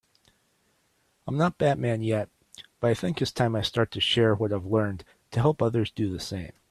I'm not Batman yet, but I think it's time I start to share what I've learned to help others do the same.